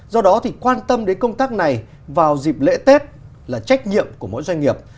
do đó thì quan tâm đến công tác này vào dịp lễ tết là trách nhiệm của mỗi doanh nghiệp